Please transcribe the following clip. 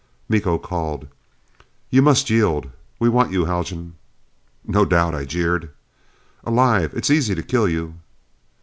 Miko called, "You must yield. We want you, Haljan." "No doubt," I jeered. "Alive. It is easy to kill you."